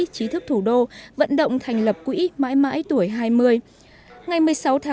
trí thức thủ đô vận động thành lập quỹ mãi mãi tuổi hai mươi